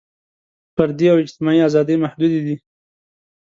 فردي او اجتماعي ازادۍ محدودې دي.